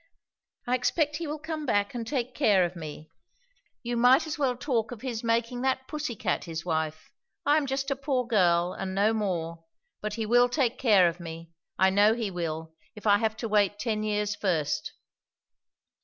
"I expect he will come back and take care of me. You might as well talk of his making that pussy cat his wife. I am just a poor girl, and no more. But he will take care of me. I know he will, if I have to wait ten years first."